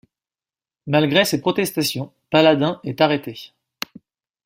Malgré ses protestations, Paladin est arrêté.